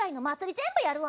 全部やるわ。